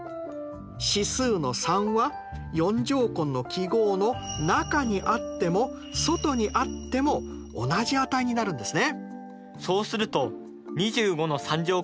指数の３は４乗根の記号の中にあっても外にあっても同じ値になるんですね。